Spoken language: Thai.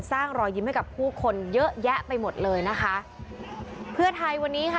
รอยยิ้มให้กับผู้คนเยอะแยะไปหมดเลยนะคะเพื่อไทยวันนี้ค่ะ